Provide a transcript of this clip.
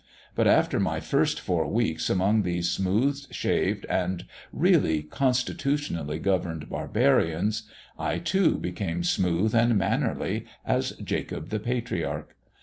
But, after my first four weeks among these smooth shaved and really constitutionally governed barbarians, I, too, became smooth and mannerly, as Jacob the Patriarch.